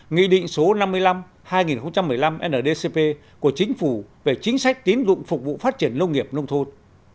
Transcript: nghị định số năm mươi năm hai nghìn một mươi năm ndcp của chính phủ về chính sách tín dụng phục vụ phát triển nông nghiệp nông thôn